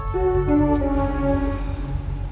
sekarang uma susan